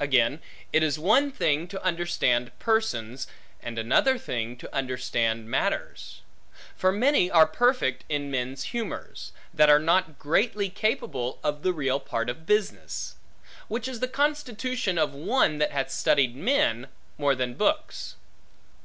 Again, it is one thing to understand persons, and another thing to understand matters; for many are perfect in men's humors, that are not greatly capable of the real part of business; which is the constitution of one that hath studied men, more than books.